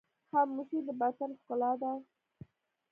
خاموشي، د باطن ښکلا ده.